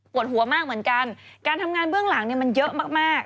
ปวดหัวมากเหมือนกันการทำงานเบื้องหลังมันเยอะมาก